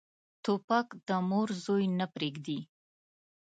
توپک له مور زوی نه پرېږدي.